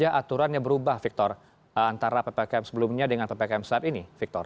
apa aturannya berubah victor antara ppkm sebelumnya dengan ppkm saat ini